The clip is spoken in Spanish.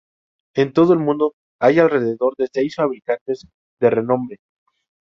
En todo el mundo hay alrededor de seis fabricantes de renombre.